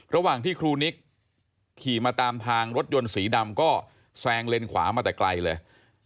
ระหว่างที่ครูนิกขี่มาตามทางรถยนต์สีดำก็แซงเลนขวามาแต่ไกลเลย